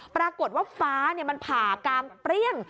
ปรากฏว่าฟ้ามันผ่ากลางเปรี้ยง